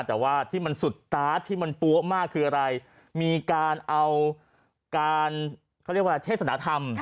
แต่ว่าที่มันสุดตาร์ทที่มันปั๊วมากคืออะไรมีการเอาการเขาเรียกว่าเทศนธรรม